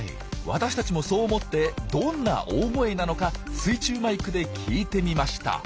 私たちもそう思ってどんな大声なのか水中マイクで聞いてみました。